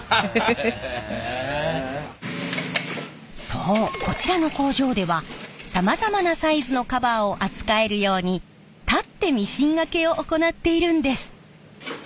そうこちらの工場ではさまざまなサイズのカバーを扱えるように立ってミシン掛けを行っているんです。